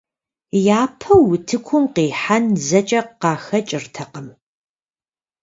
Япэу утыкум къихьэн зэкӀэ къахэкӀыртэкъым.